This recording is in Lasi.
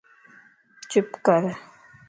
چپ ڪَر